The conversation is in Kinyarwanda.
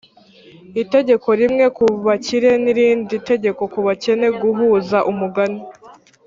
itegeko rimwe kubakire n'irindi tegeko kubakene guhuza umugani